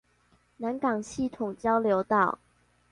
南港系統交流道